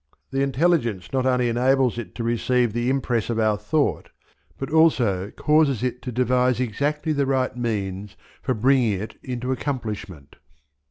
The intelligence not only enables it to receive the impress of our thought, but also causes it to devise exactly the right means for bringing it into accomplishment.